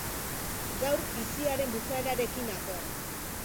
Gaur biziaren bukaerarekin nator.